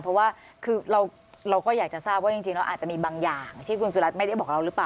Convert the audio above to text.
เพราะว่าคือเราก็อยากจะทราบว่าจริงแล้วอาจจะมีบางอย่างที่คุณสุรัตน์ไม่ได้บอกเราหรือเปล่า